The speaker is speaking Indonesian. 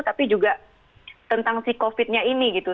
tapi juga tentang si covid nya ini gitu